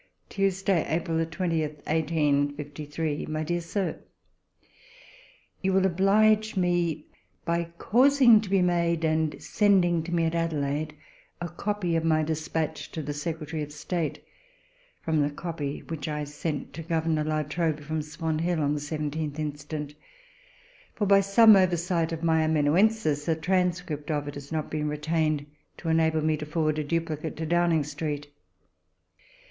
Tuesday, April 20th 1853. MY DEAR SIR, You will oblige me by causing to be made, and sending to me at Adelaide, a copy of my despatch to the Secretary of State from the copy which I sent to Governor La Trobe, from Swan Hill, on the 17th inst. ; for by some oversight of my amanuensis a tran script of it has not been retained to enable me to forward a duplicate to Downing Street.